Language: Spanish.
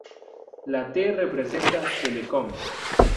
La "t" representa "Telekom".